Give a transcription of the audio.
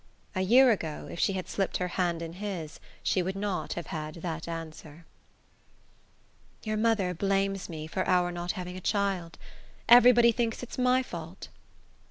A year ago, if she had slipped her hand in his, she would not have had that answer. "Your mother blames me for our not having a child. Everybody thinks it's my fault."